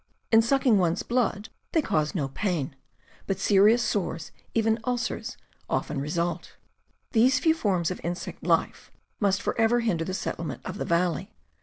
In sucking one's blood they cause no pain; but serious sores, even ulcers, often result. ... These few forms of insect life must forever hinder the settle ment of the valley.